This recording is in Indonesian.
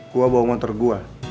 gua bawa motor gua